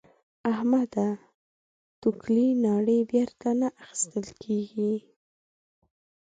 احمده؛ توکلې ناړې بېرته نه اخيستل کېږي.